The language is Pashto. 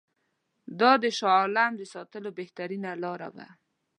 دا د شاه عالم د ساتلو بهترینه لاره وه.